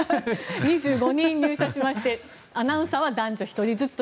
２５人入社しましてアナウンサーは男女１人ずつ。